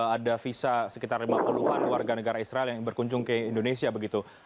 ada visa sekitar lima puluh an warga negara israel yang berkunjung ke indonesia begitu